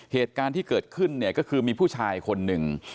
เหตุการณ์ที่เกิดขึ้นเนี่ยก็คือมีผู้ชายคนหนึ่ง